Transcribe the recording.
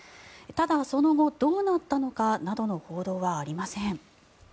ただ、その後どうなったのかなどの報道はありません。